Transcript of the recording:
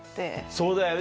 そうだよね。